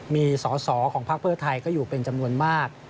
มีสอสอของพักเพื่อไทยก็อยู่เป็นจำนวนมาก